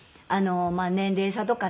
まあ年齢差とかね。